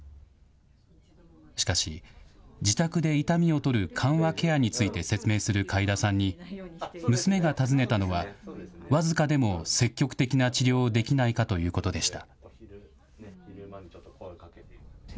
しかし、自宅で痛みを取る緩和ケアについて説明する開田さんに、娘が尋ねたのは、僅かでも積極的な治療をできないかということでした。